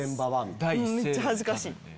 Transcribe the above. もうめっちゃ恥ずかしい。